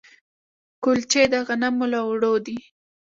کلچې د غنمو له اوړو دي.